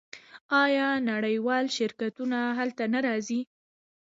آیا نړیوال شرکتونه هلته نه راځي؟